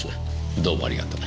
どうもありがとう。